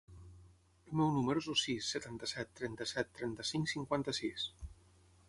El meu número es el sis, setanta-set, trenta-set, trenta-cinc, cinquanta-sis.